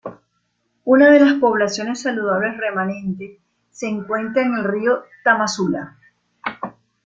Una de las poblaciones saludables remanentes se encuentra en el río Tamazula.